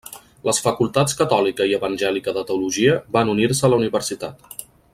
Les facultats catòlica i evangèlica de teologia van unir-se a la universitat.